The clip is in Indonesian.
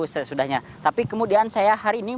sesudahnya tapi kemudian saya hari ini